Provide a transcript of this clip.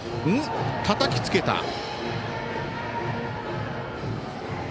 たたきつけた。